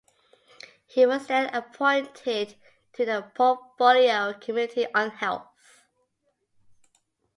He was then appointed to the Portfolio Committee on Health.